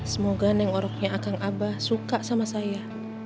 semoga neng oroknya akan abah suka sama saya